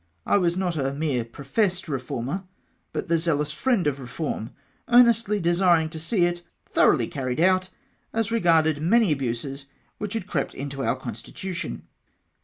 I was not a mere professed reformer, but the zealous friend of reform, earnestly desiring to see it thoroughly carried out as regarded many abuses which had crept into our constitution.